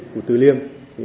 của từ liêm